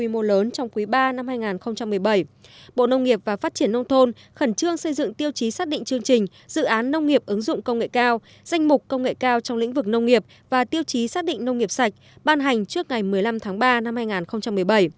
bộ nông nghiệp và phát triển nông thôn khẩn trương xây dựng tiêu chí xác định chương trình dự án nông nghiệp ứng dụng công nghệ cao danh mục công nghệ cao trong lĩnh vực nông nghiệp và tiêu chí xác định nông nghiệp sạch ban hành trước ngày một mươi năm tháng ba năm hai nghìn một mươi bảy